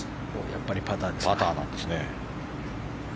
やっぱりパターですね。